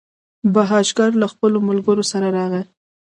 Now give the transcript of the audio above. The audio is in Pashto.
بهاشکر له خپلو ملګرو سره راغی.